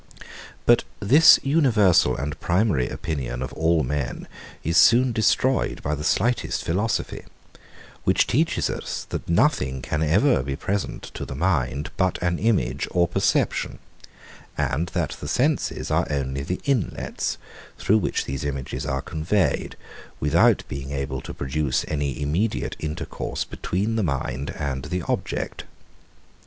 But this universal and primary opinion of all men is soon destroyed by the slightest philosophy, which teaches us, that nothing can ever be present to the mind but an image or perception, and that the senses are only the inlets, through which these images are conveyed, without being able to produce any immediate intercourse between the mind and the object.